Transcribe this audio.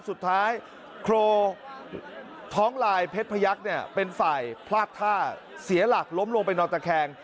สุดท้ายโครท้องลายเพชรพยักษ์เนี่ยเป็นฝ่ายพลาดท่าเสียหลักล้มลงไปนอนตะแคง